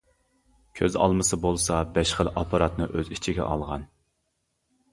كۆز ئالمىسى بولسا بەش خىل ئاپپاراتنى ئۆز ئىچىگە ئالغان.